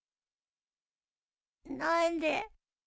「何で？」